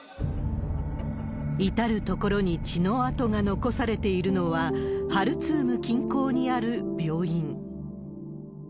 至る所に血の跡が残されているのは、ハルツーム近郊にある病院。